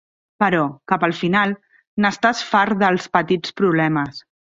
Però, cap al final, n'estàs fart dels petits problemes.